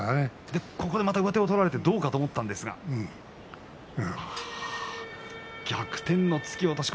また上手を取られてどうかと思ったんですが逆転の突き落とし。